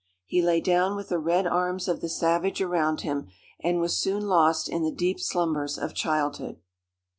He lay down with the red arms of the savage around him, and was soon lost in the deep slumbers of childhood.